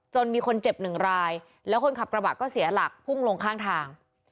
มีคนเจ็บหนึ่งรายแล้วคนขับกระบะก็เสียหลักพุ่งลงข้างทาง